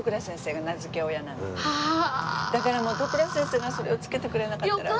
それはねだからもう都倉先生がそれをつけてくれなかったら。